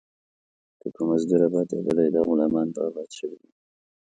که په مزدور ابآتيدلاى ، ده غلامان به ابات سوي واى.